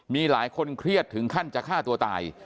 มีหลายคนเครียดถึงขั้นจะฆ่าตัวตาย